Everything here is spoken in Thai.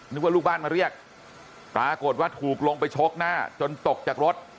นึกว่าลูกบ้านมาเรียกปรากฏว่าถูกลงไปชกหน้าจนตกจากรถ